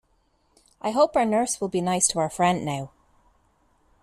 I hope our nurse will be nice to our friend now.